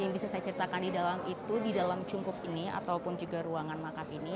yang bisa saya ceritakan di dalam itu di dalam cungkup ini ataupun juga ruangan makam ini